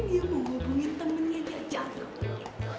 dia mau hubungin temennya dia jago